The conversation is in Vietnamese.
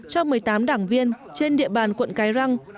cho một mươi tám đảng viên trên địa bàn quận cái răng